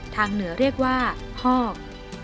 ทางเหนือเรียกว่าฮอก